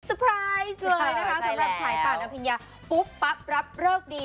เลยนะคะสำหรับสายป่านอภิญญาปุ๊บปั๊บรับเลิกดี